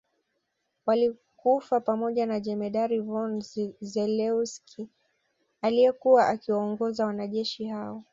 Walikufa pamoja na Jemedari von Zelewski aliyekuwa akiwaongoza wanajeshi hao